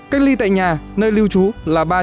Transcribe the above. cách ly tại nhà nơi lưu trú là ba trăm năm mươi ba người